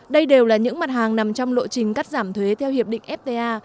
đây đều là những mặt hàng nằm trong lộ trình cắt giảm thuế theo hiệp định fta